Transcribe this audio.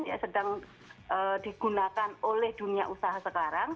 ya sedang digunakan oleh dunia usaha sekarang